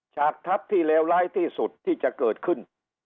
ฉากทัพที่เลวร้ายที่สุดที่จะเกิดขึ้น